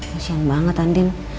kesian banget andin